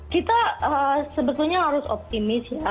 kita sebetulnya harus optimis ya